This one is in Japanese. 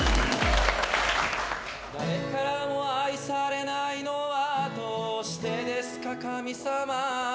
誰からも愛されないのはどうしてですか、神様。